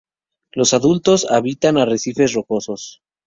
Los adultos habitan arrecifes rocosos.